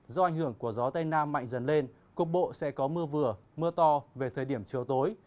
do ảnh hưởng của gió tây nam mạnh dần lên cục bộ sẽ có mưa vừa mưa to về thời điểm chiều tối